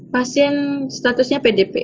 pasien statusnya pdp